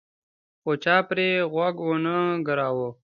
خو چا پرې غوږ ونه ګراوه.